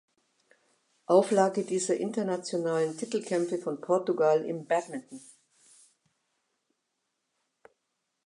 Auflage dieser internationalen Titelkämpfe von Portugal im Badminton.